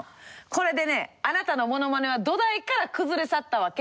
これでねあなたのモノマネは土台から崩れ去ったわけ。